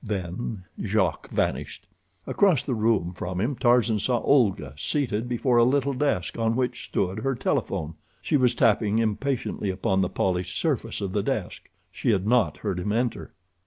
Then Jacques vanished. Across the room from him Tarzan saw Olga seated before a little desk on which stood her telephone. She was tapping impatiently upon the polished surface of the desk. She had not heard him enter.